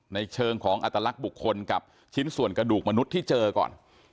ในเชิงของอัตลักษณ์บุคคลกับชิ้นส่วนกระดูกมนุษย์ที่เจอก่อน